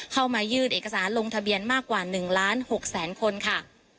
เข้ามายื่นเอกสารลงทะเบียนมากกว่า๑ล้าน๖แสนคนค่ะ